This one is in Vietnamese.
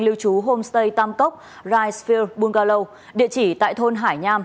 lưu trú homestay tam cốc rye sphere bungalow địa chỉ tại thôn hải nham